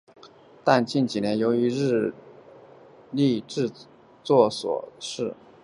但近几年由于日立制作所的人事调整导致人口减少。